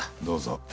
どうぞ。